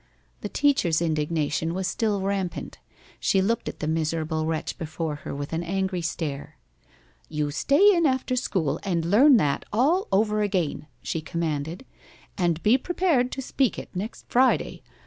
The teacher's indignation was still rampant. She looked at the miserable wretch before her with an angry stare. "You stay in after school and learn that all over again," she commanded. "And be prepared to speak it next Friday.